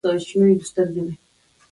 انګلیسي د کاروبار ژبه ده